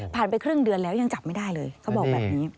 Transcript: ไปครึ่งเดือนแล้วยังจับไม่ได้เลยเขาบอกแบบนี้